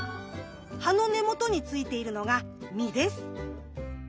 葉の根元についているのが実です。